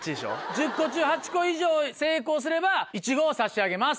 １０個中８個以上成功すればいちごを差し上げます。